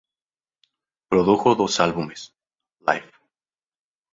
Produjo dos álbumes, "Live!